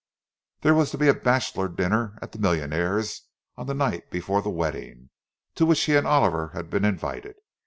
There was to be a "bachelor dinner" at the Millionaires' on the night before the wedding, to which he and Oliver had been invited.